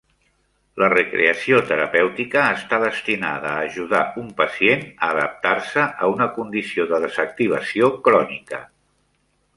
La recreació terapèutica està destinada a ajudar un pacient a adaptar-se a una condició de desactivació crònica.